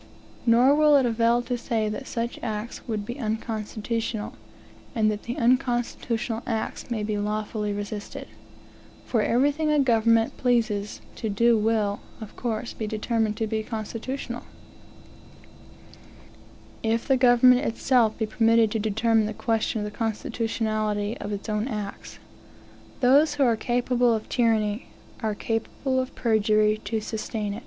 Nor will it avail to say that such acts would be unconstitutional, and that unconstitutional acts may be lawfully resisted; for everything a government pleases to do will, of course, be determined to be constitutional, if the government itself be permitted to determine the question of the constitutionality of its own acts. Those who are capable of tyranny, are capable of perjury to sustain it.